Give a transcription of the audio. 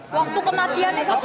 waktu kematian itu